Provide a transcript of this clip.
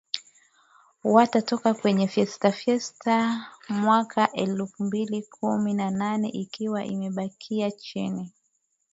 wanatoka kwenye Fiesta Fiesta mwaka elfu mbili kumi na nane Ikiwa imebakia chini